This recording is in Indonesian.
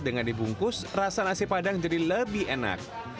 dengan dibungkus rasa nasi padang jadi lebih enak